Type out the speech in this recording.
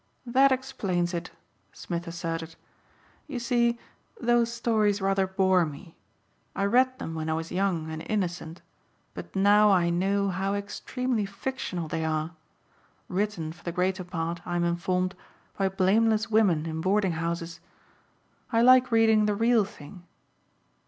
"That explains it," Smith asserted, "You see those stories rather bore me. I read them when I was young and innocent but now I know how extremely fictional they are; written for the greater part, I'm informed, by blameless women in boarding houses. I like reading the real thing."